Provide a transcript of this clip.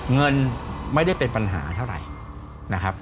เงินไม่ได้เป็นปัญหาเท่าไหร่